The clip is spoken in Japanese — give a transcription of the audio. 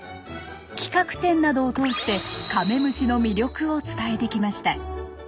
企画展などを通してカメムシの魅力を伝えてきました。